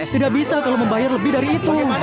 tidak bisa kalau membayar lebih dari itu